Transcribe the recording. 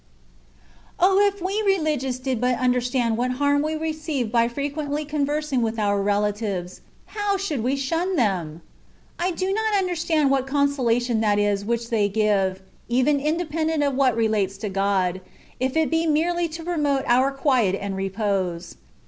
! if we Religious did but understand what harm we receive by frequently conversing with our relatives, how should we shun them ! I do not understand what consolation that is which they give — (even independent of what relates to God), if it be merely to promote our quiet and repose.